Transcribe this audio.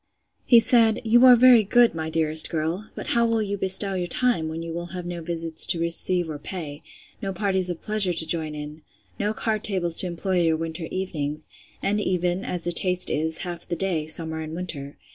He said, You are very good, my dearest girl! But how will you bestow your time, when you will have no visits to receive or pay? No parties of pleasure to join in? No card tables to employ your winter evenings; and even, as the taste is, half the day, summer and winter?